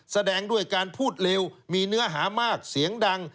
แสดงด้วยการพูดเร็วมีเนื้อหามากเสียงดัง